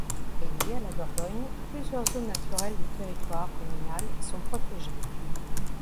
Liées à la Dordogne, plusieurs zones naturelles du territoire communal sont protégées.